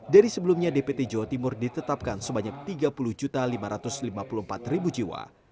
dari sebelumnya dpt jawa timur ditetapkan sebanyak tiga puluh lima ratus lima puluh empat jiwa